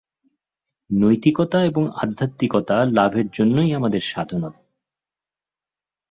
নৈতিকতা এবং আধ্যাত্মিকতা লাভের জন্যই আমাদের সাধনা।